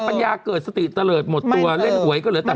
ปัญญาเกิดสติเตลิศหมดตัวเล่นหวยก็เหลือแต่